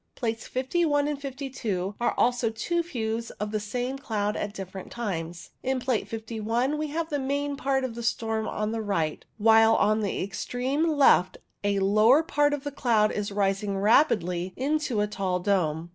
Plates 51 and 52 are also two views of the same cloud at different times. In Plate 51 we have the main part of the storm on the right, while on the extreme left a lower part of the cloud is rising rapidly into a tall dome.